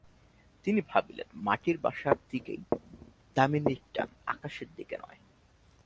তিনি ভাবিলেন, মাটির বাসার দিকেই দামিনীর টান, আকাশের দিকে নয়।